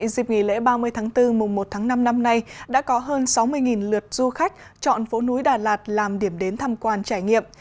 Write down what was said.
dịp nghỉ lễ ba mươi tháng bốn mùa một tháng năm năm nay đã có hơn sáu mươi lượt du khách chọn phố núi đà lạt làm điểm đến tham quan trải nghiệm